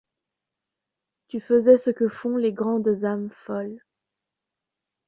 Tu faisais ce que font les grandes âmes folles